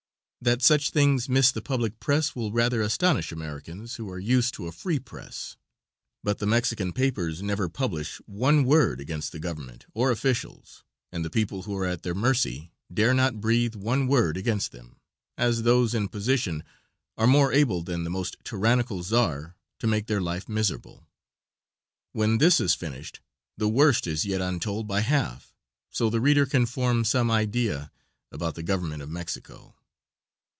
That such things missed the public press will rather astonish Americans who are used to a free press; but the Mexican papers never publish one word against the government or officials, and the people who are at their mercy dare not breathe one word against them, as those in position are more able than the most tyrannical czar to make their life miserable. When this is finished the worst is yet untold by half, so the reader can form some idea about the Government of Mexico.